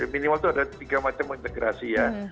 minimal itu ada tiga macam integrasi ya